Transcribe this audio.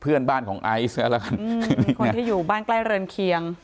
เพื่อนบ้านของไอซ์มันอยู่ละกันในนี้มันอยู่บ้านใกล้เรือนเคียง